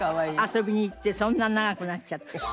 遊びに行ってそんな長くなっちゃって。